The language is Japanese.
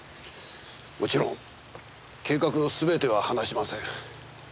もちろん計画の全ては話しません。